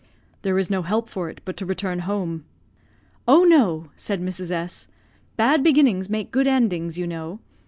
"There is no help for it but to return home." "Oh, no," said Mrs. S ; "bad beginnings make good endings, you know.